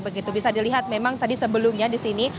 begitu bisa dilihat memang tadi sebelumnya di sini